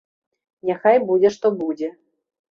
Няхай будзе што будзе.